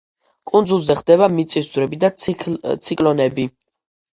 კუნძულზე ხდება მიწისძვრები და ციკლონები.